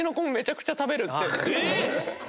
えっ⁉